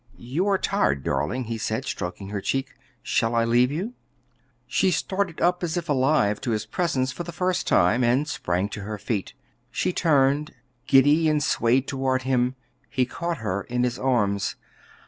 "You are tired, darling," he said, stroking her cheek; "shall I leave you?" She started up as if alive to his presence for the first time, and sprang to her feet. She turned giddy and swayed toward him. He caught her in his arms.